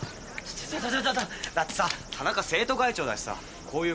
だってさ田中生徒会長だしさこういう交渉事得意だろ。